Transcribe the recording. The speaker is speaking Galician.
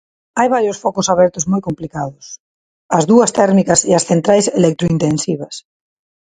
Hai varios focos abertos moi complicados: as dúas térmicas e as centrais electrointensivas.